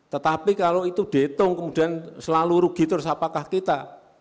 tetapi kalau itu dihitung kemudian selalu rugi terus apakah kita